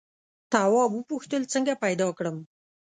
تواب وپوښتل څنګه پیدا کړم.